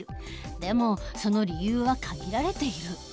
でもその理由は限られている。